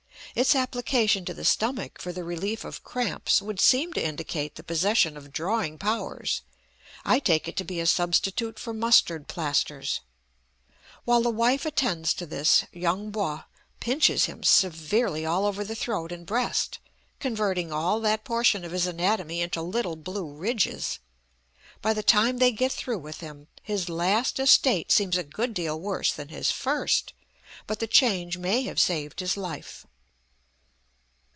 Its application to the stomach for the relief of cramps would seem to indicate the possession of drawing powers; I take it to be a substitute for mustard plasters. While the wife attends to this, Yung Po pinches him severely all over the throat and breast, converting all that portion of his anatomy into little blue ridges. By the time they get through with him, his last estate seems a good deal worse than his first, but the change may have saved his life.